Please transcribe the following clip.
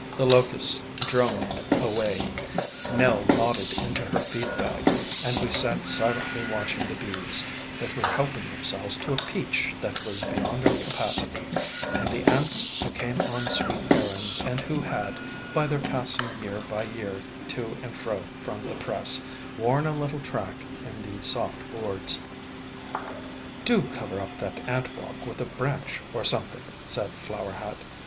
The locusts droned away, Nell nodded into her feed bag, and we sat silently watching the bees, that were helping themselves to a peach that was beyond our capacity, and the ants who came on sweet errands, and who had, by their passing year by year to and fro from the press, worn a little track in the soft boards. " Do cover up that ant walk with a branch or something," said Flower Hat.